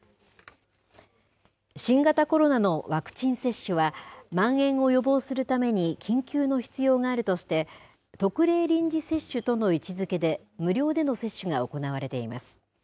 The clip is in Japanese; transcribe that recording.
新型コロナのワクチン接種は、まん延を予防するために緊急の必要があるとして、特例臨時接種との位置づけで無料での接種が行われています。